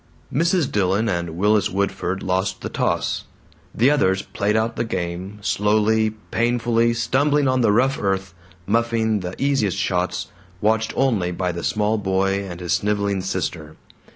Mrs. Dillon and Willis Woodford lost the toss. The others played out the game, slowly, painfully, stumbling on the rough earth, muffing the easiest shots, watched only by the small boy and his sniveling sister.